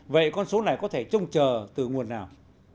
vậy con số này có thể trông chờ từ nguồn nào